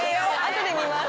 後で見ます。